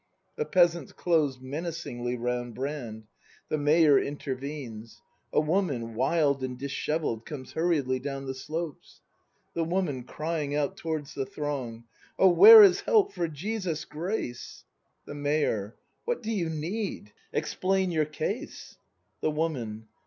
[The Peasants close menacingly round Brand. The Mayor intervenes. A Woman, wild and dishev elled, comes hurriedly down the slopes. The Woman. {Crying out towards the throng. "] Oh, where is help, for Jesus' grace! The Mayor. What do you need ? Explain your case. The Woman.